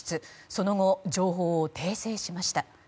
その後、情報を訂正しました。